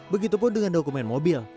begitupun dengan dokumen mobil